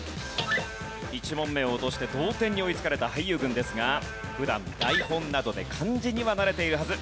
１問目を落として同点に追いつかれた俳優軍ですが普段台本などで漢字には慣れているはず。